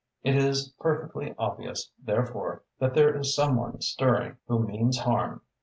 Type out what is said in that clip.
It is perfectly obvious, therefore, that there is some one stirring who means harm.